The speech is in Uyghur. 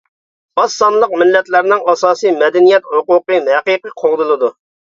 ئاز سانلىق مىللەتلەرنىڭ ئاساسىي مەدەنىيەت ھوقۇقى ھەقىقىي قوغدىلىدۇ.